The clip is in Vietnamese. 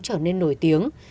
trở nên nổi tiếng